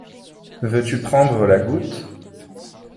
Veux-tu prendre la goutte ?